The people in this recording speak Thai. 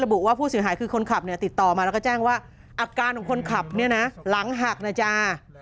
บุว่าผู้เสียหายคือคนขับเนี่ยติดต่อมาแล้วก็แจ้งว่าอาการของคนขับเนี่ยนะหลังหักนะจ๊ะ